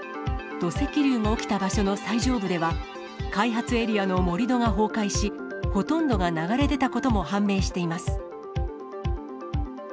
土石流が起きた場所の最上部では、開発エリアの盛り土が崩壊し、ほとんどが流れ出たことも判明しています。